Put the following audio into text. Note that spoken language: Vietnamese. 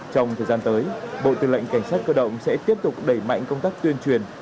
trong thời gian tới bộ tư lệnh cảnh sát cơ động sẽ tiếp tục đẩy mạnh công tác tuyên truyền